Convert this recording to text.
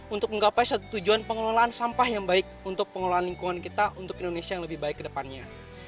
untuk menggapai satu tujuan pengelolaan sampah yang baik untuk pengelolaan lingkungan kita untuk indonesia yang lebih baik ke depannya